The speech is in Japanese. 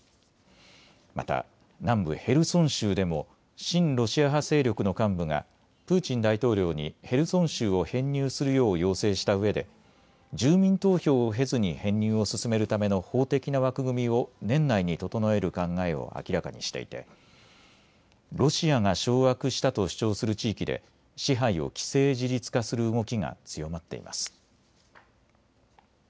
また南部ヘルソン州でも親ロシア派勢力の幹部がプーチン大統領にヘルソン州を編入するよう要請したうえで住民投票を経ずに編入を進めるための法的な枠組みを年内に整える考えを明らかにしていてロシアが掌握したと主張する地域で支配を既成事実化する動きが強まっています。